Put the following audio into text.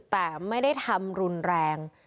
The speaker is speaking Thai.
แต่ไม่ได้ทำรุนแรง